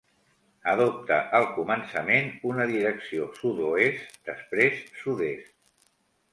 Adopta al començament una direcció sud-oest, després sud-est.